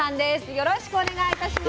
よろしくお願いします。